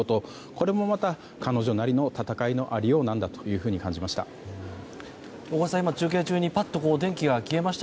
これもまた、彼女なりの戦いの在りようなんだと感じました。